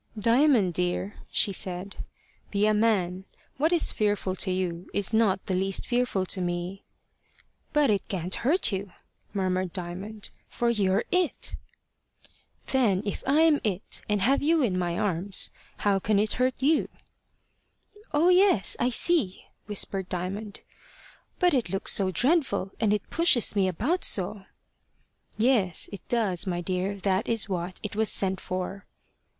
"Diamond, dear," she said, "be a man. What is fearful to you is not the least fearful to me." "But it can't hurt you," murmured Diamond, "for you're it." "Then if I'm it, and have you in my arms, how can it hurt you?" "Oh yes! I see," whispered Diamond. "But it looks so dreadful, and it pushes me about so." "Yes, it does, my dear. That is what it was sent for."